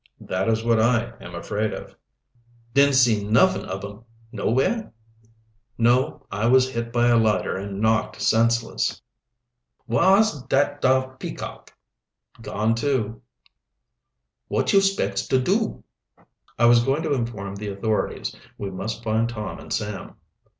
"That is what I am afraid of." "Didn't see nuffin ob 'em nowhere?" "No. I was hit by a lighter and knocked senseless." "Whar's dat dar Peacock?" "Gone, too." "Wot you spects to do?" "I was going to inform the authorities. We must find Tom and Sam."